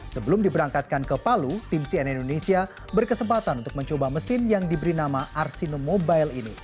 sebelum diberangkatkan ke palu tim cn indonesia berkesempatan untuk mencoba mesin yang diberi nama arsinum mobile ini